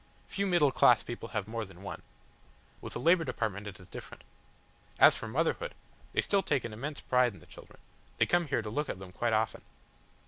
Few middle class people have more than one. With the Labour Department it is different. As for motherhood! They still take an immense pride in the children. They come here to look at them quite often."